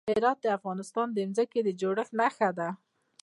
هرات د افغانستان د ځمکې د جوړښت نښه ده.